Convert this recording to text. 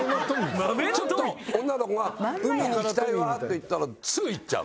ちょっと女の子が「海に行きたいわ」と言ったらすぐ行っちゃう。